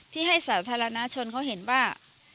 ที่ให้สาธารณชนเขาเห็นว่า